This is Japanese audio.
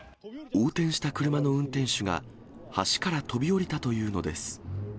横転した車の運転手が橋から飛び降りたというのです。